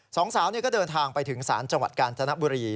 สองสาวก็เดินทางไปถึงศาลจังหวัดกาญจนบุรี